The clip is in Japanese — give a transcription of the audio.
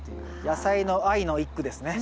野菜の愛の一句ですね。